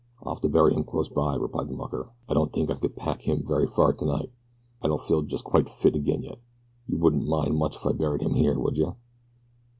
"I'll have to bury him close by," replied the mucker. "I don't tink I could pack him very fer tonight I don't feel jest quite fit agin yet. You wouldn't mind much if I buried him here, would you?"